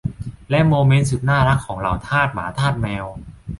และโมเมนต์สุดน่ารักของเหล่าทาสหมาทาสแมว